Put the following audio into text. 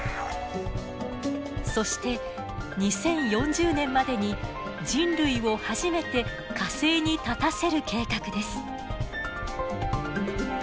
そして２０４０年までに人類を初めて火星に立たせる計画です。